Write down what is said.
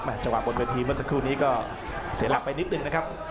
จังหวะบนเวทีเมื่อสักครู่นี้ก็เสียหลักไปนิดนึงนะครับ